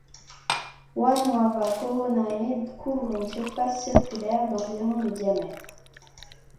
Oanuava Coronae couvre une surface circulaire d'environ de diamètre.